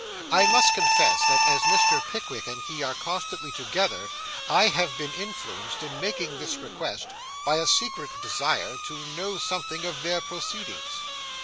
I must confess that, as Mr. Pickwick and he are constantly together, I have been influenced, in making this request, by a secret desire to know something of their proceedings.